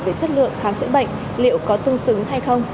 về chất lượng khám chữa bệnh liệu có tương xứng hay không